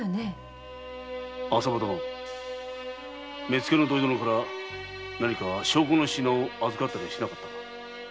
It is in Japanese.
目付の土井殿から何か証拠の品を預かったりしなかったか？